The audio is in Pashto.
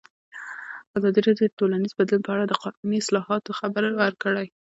ازادي راډیو د ټولنیز بدلون په اړه د قانوني اصلاحاتو خبر ورکړی.